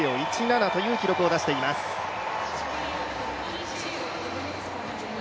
予選で５１秒１７という記録を出しています。